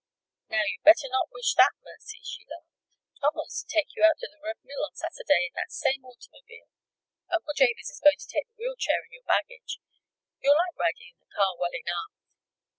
"Now, you'd better not wish that, Mercy," she laughed. "Tom wants to take you out to the Red Mill on Saturday in that same automobile. Uncle Jabez is going to take the wheel chair and your baggage. You'll like riding in the car well enough."